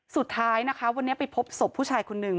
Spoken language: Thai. สุดท้ายนะคะวันนี้ไปพบศพผู้ชายคนหนึ่ง